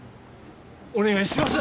お願いします！